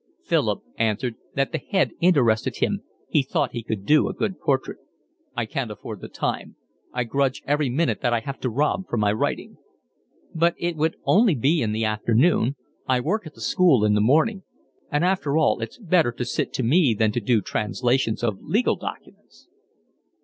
Philip answered that the head interested him, he thought he could do a good portrait. "I can't afford the time. I grudge every minute that I have to rob from my writing." "But it would only be in the afternoon. I work at the school in the morning. After all, it's better to sit to me than to do translations of legal documents."